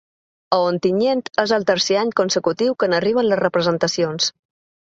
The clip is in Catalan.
A Ontinyent és el tercer any consecutiu que n’arriben les representacions.